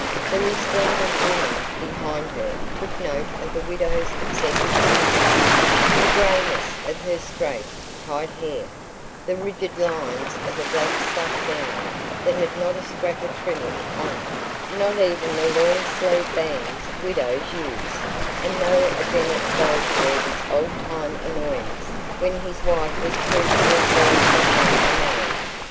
The resplendent woman behind her took note of the widow's excessive thinness, the greyness of her straight, tight hair, the rigid lines of a black stuff gown that had not a scrap of trimming on it not even the lawn sleeve bands widows use and thought of Bennet Goldsworthy's old time annoyance when his wife was proved to have fallen behind the mode.